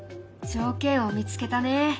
条件を見つけたね。